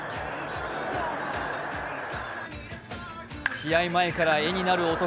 試合前から絵になる男